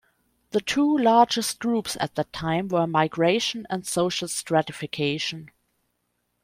The two largest groups at that time were Migration and Social Stratification.